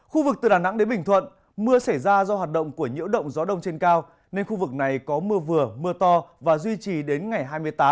khu vực từ đà nẵng đến bình thuận mưa xảy ra do hoạt động của nhiễu động gió đông trên cao nên khu vực này có mưa vừa mưa to và duy trì đến ngày hai mươi tám